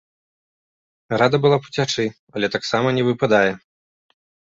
Рада была б уцячы, але таксама не выпадае.